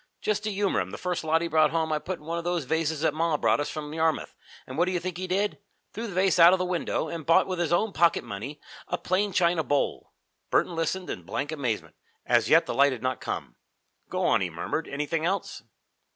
Just to humor him, the first lot he brought home I put in one of those vases that ma brought us from Yarmouth, and what do you think he did? threw the vase out of the window and bought with his own pocket money a plain china bowl." Burton listened in blank amazement. As yet the light had not come. "Go on," he murmured. "Anything else?"